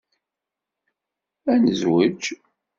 Ad nezwej.